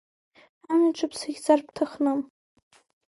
Амҩаҿы бсыхьӡар бҭахны…